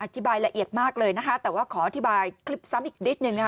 รายละเอียดมากเลยนะคะแต่ว่าขออธิบายคลิปซ้ำอีกนิดหนึ่งนะคะ